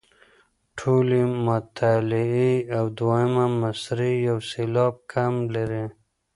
ټولې مطلعې او دوهمه مصرع یو سېلاب کم لري.